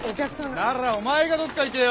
ならお前がどっか行けよ。